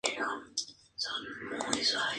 Hendrix tocó en Berkeley, pero no en Oakland.